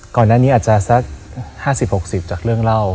ก่อนหน้านี้อาจจะสัก๕๐๖๐จากเรื่องเล่า